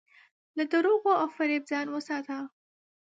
له دروغو او فریب ځان وساته.